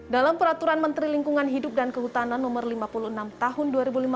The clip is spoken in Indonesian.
dalam peraturan menteri lingkungan hidup dan kehutanan no lima puluh enam tahun dua ribu lima belas